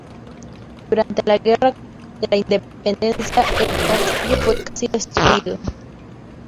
Durante la Guerra de la Independencia el castillo fue casi destruido.